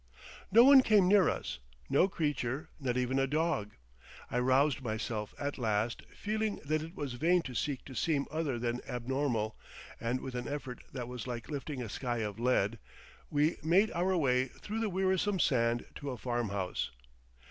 No one came near us; no creature, not even a dog. I roused myself at last, feeling that it was vain to seek to seem other than abnormal, and with an effort that was like lifting a sky of lead, we made our way through the wearisome sand to a farmhouse.